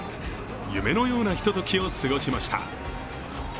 夢のようなひとときを過ごしました。